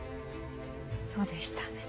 そうでしたね。